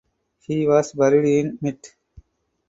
He was buried in Mt.